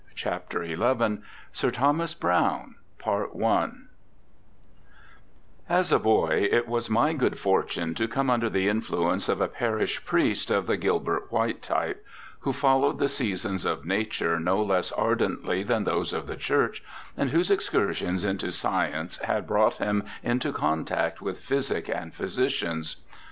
248 SIR THOMAS BROWNE ' As a boy it was my good fortune to come under the influence of a parish priest of the Gilbert White type, who followed the seasons of Nature no less ardently than those of the Church, and whose excursions into science had brought him into contact with physic and physicians.